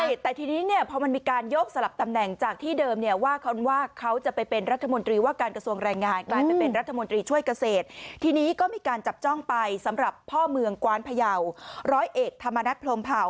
ใช่แต่ทีนี้เนี่ยพอมันมีการยกสลับตำแหน่งจากที่เดิมเนี่ยว่าเขาว่าเขาจะไปเป็นรัฐมนตรีว่าการกระทรวงแรงงานกลายเป็นรัฐมนตรีช่วยเกษตรทีนี้ก็มีการจับจ้องไปสำหรับพ่อเมืองกวานพยาวร้อยเอกธรรมนัฐพรมเผา